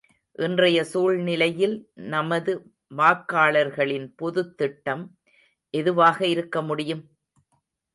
இன்றைய சூழ்நிலையில் நமது வாக்காளர்களின் பொதுத்திட்டம் எதுவாக இருக்க முடியும்?